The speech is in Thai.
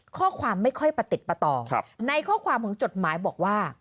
ข้อความไม่ค่อยประติดประต่อในข้อความของจดหมายบอกว่า